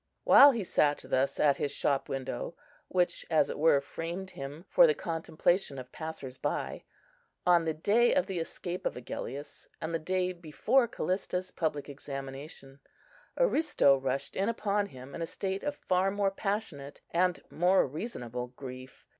While he sat thus at his shop window, which, as it were, framed him for the contemplation of passers by, on the day of the escape of Agellius, and the day before Callista's public examination, Aristo rushed in upon him in a state of far more passionate and more reasonable grief.